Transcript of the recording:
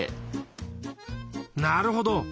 なるほど。